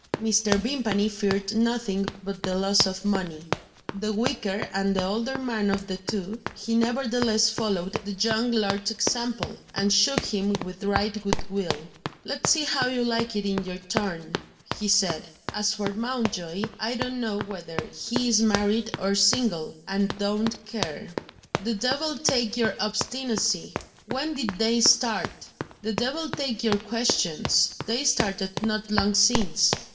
Mr. Vimpany feared nothing but the loss of money. The weaker and the older man of the two, he nevertheless followed the young lord's example, and shook him with right good will. "Let's see how you like it in your turn," he said. "As for Mountjoy, I don't know whether he is married or single and don't care." "The devil take your obstinacy! When did they start?" "The devil take your questions! They started not long since."